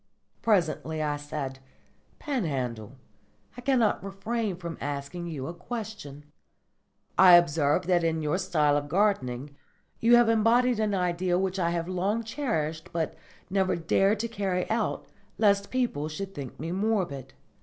Presently I said, "Panhandle, I cannot refrain from asking you a question. I observe that in your style of gardening you have embodied an idea which I have long cherished but never dared to carry out lest people should think me morbid.